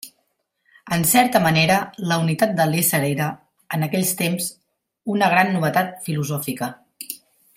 En certa manera, la unitat de l'Ésser era, en aquells temps, una gran novetat filosòfica.